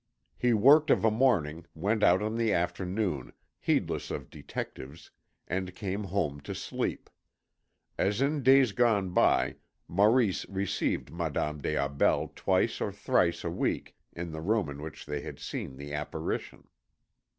He worked of a morning, went out in the afternoon, heedless of detectives, and came home to sleep. As in days gone by, Maurice received Madame des Aubels twice or thrice a week in the room in which they had seen the apparition.